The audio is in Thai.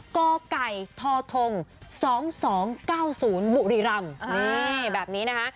กไก่ททมสองสองเก้าศูนย์บุรีรัมนี่แบบนี้นะฮะ